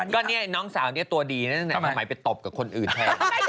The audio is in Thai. ก็เนี่ยน้องสาวเนี่ยตัวดีนะทำไมไปตบกับคนอื่นแทน